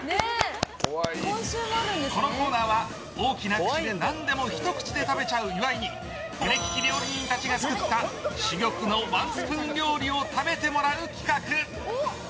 このコーナーは、大きな口で何でもひと口で食べちゃう岩井に腕利き料理人たちが作った珠玉のワンスプーン料理を食べてもらう企画。